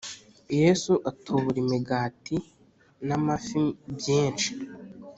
Yesu atubura imigatina amfi byinshi